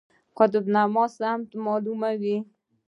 قطب نما سمت معلوموي